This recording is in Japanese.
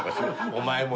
お前も。